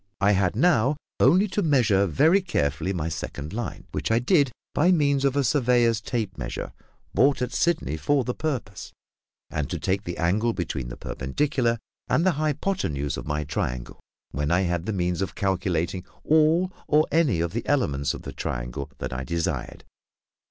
I had now only to measure very carefully my second line, which I did by means of a surveyor's tape measure, bought at Sydney for the purpose, and to take the angle between the perpendicular and the hypothenuse of my triangle, when I had the means of calculating all or any of the elements of the triangle that I desired.